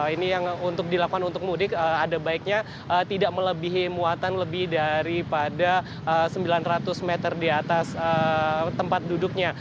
ini yang untuk dilakukan untuk mudik ada baiknya tidak melebihi muatan lebih daripada sembilan ratus meter di atas tempat duduknya